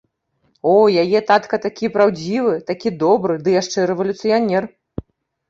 О, яе татка такі праўдзівы, такі добры, ды яшчэ рэвалюцыянер!